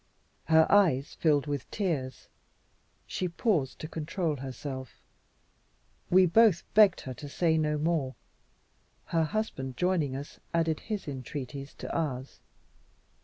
Her eyes filled with tears. She paused to control herself. We both begged her to say no more. Her husband, joining us, added his entreaties to ours.